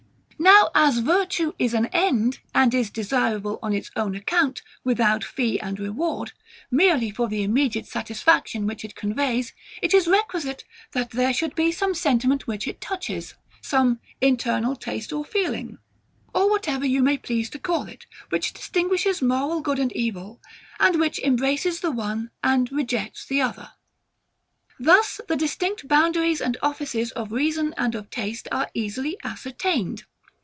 Now as virtue is an end, and is desirable on its own account, without fee and reward, merely for the immediate satisfaction which it conveys; it is requisite that there should be some sentiment which it touches, some internal taste or feeling, or whatever you may please to call it, which distinguishes moral good and evil, and which embraces the one and rejects the other. Thus the distinct boundaries and offices of REASON and of TASTE are easily ascertained.